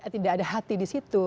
tidak ada hati di situ